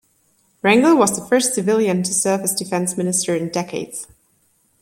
Rangel was the first civilian to serve as Defense Minister in decades.